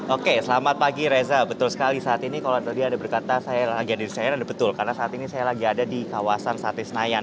oke selamat pagi reza betul sekali saat ini kalau tadi ada berkata gadir saya ada betul karena saat ini saya lagi ada di kawasan sate senayan